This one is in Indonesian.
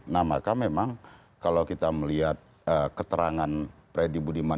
nah maka memang kalau kita melihat keterangan freddy budiman